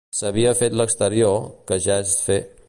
S'havia fet l'exterior, que ja es fer